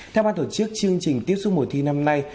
theo ban tổ chức chương trình tiếp xúc mùa thi năm nay